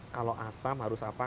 kalau asam harus apa